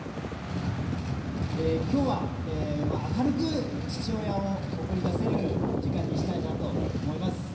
きょうは明るく父親を送り出せる時間にしたいなと思います。